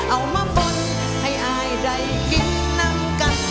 เอามาบ่นให้อายใดกินนำกัน